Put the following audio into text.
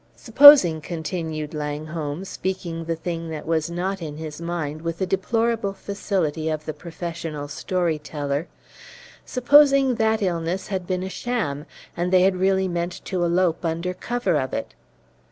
"Supposing," continued Langholm, speaking the thing that was not in his mind with the deplorable facility of the professional story teller "supposing that illness had been a sham, and they had really meant to elope under cover of it!"